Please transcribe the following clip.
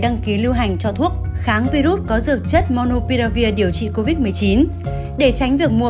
đăng ký lưu hành cho thuốc kháng virus có dược chất monopiravir điều trị covid một mươi chín để tránh việc mua